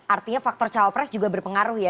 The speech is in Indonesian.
artinya faktor cawapres juga berpengaruh ya